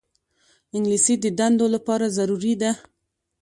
انګلیسي د دندو لپاره ضروري ده